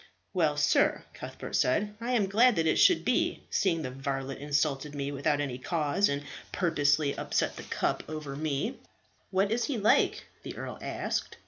"Well, sir," Cuthbert said, "I am glad that it should be, seeing the varlet insulted me without cause, and purposely upset the cup over me." "What is he like?" the earl asked.